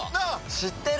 知ってる！